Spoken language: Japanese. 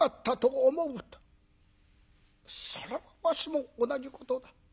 「それはわしも同じことだ。